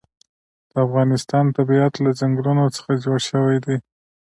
د افغانستان طبیعت له ځنګلونه څخه جوړ شوی دی.